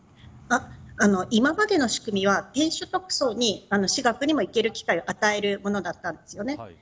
今までの仕組みは、低所得層に私学にも行ける機会を与えるものだったんです。